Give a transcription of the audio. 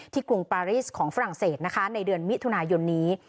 กรุงปารีสของฝรั่งเศสนะคะในเดือนมิถุนายนนี้